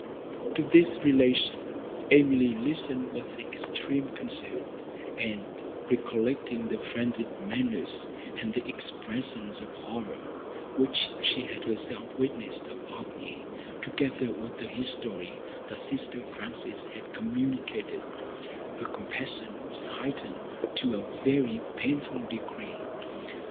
To this relation Emily listened with extreme concern, and, recollecting the frenzied manners and the expressions of horror, which she had herself witnessed of Agnes, together with the history, that sister Frances had communicated, her compassion was heightened to a very painful degree.